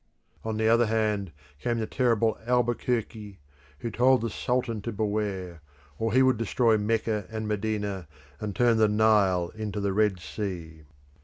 On the other hand, came the terrible Albuquerque, who told the Sultan to beware, or he would destroy Mecca and Medina, and turn the Nile into the Red Sea.